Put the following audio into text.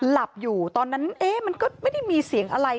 หลับอยู่ตอนนั้นเอ๊ะมันก็ไม่ได้มีเสียงอะไร